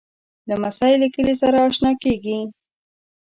لمسی له کلي سره اشنا کېږي.